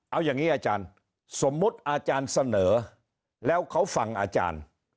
เอาอย่างนี้อาจารย์สมมุติอาจารย์เสนอแล้วเขาฟังอาจารย์